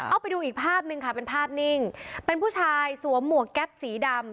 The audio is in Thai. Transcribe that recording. เอาไปดูอีกภาพหนึ่งค่ะเป็นภาพนิ่งเป็นผู้ชายสวมหมวกแก๊ปสีดำ